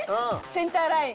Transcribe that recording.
センターライン